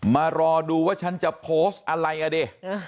มารอดูว่าฉันจะโพสต์อะไรอ่ะดิ